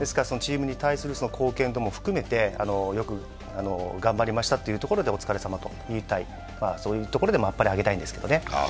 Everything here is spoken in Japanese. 貢献度も含めてよく頑張りましたとうところでお疲れさまと言いたいそういうところでも、あっぱれをあげたいんですけどね。